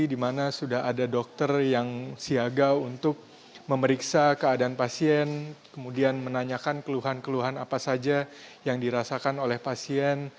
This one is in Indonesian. di mana sudah ada dokter yang siaga untuk memeriksa keadaan pasien kemudian menanyakan keluhan keluhan apa saja yang dirasakan oleh pasien